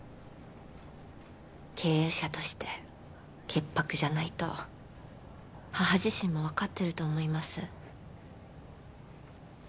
経営者として潔白じゃないと母自身も分かってると思います